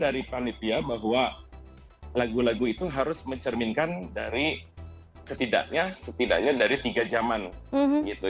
jadi kita berpikir dari panitia bahwa lagu lagu itu harus mencerminkan dari setidaknya dari tiga jaman gitu